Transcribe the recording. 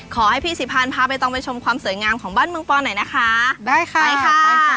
ขอให้พี่ศรีพันธ์พาใบตองไปชมความสวยงามของบ้านเมืองปอนหน่อยนะคะได้ค่ะไปค่ะปอนค่ะ